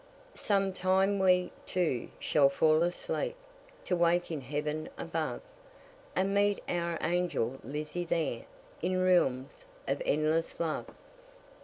Some time we, too, shall fall asleep, To wake in heaven above, And meet our angel Lizzie there In realms of endless love.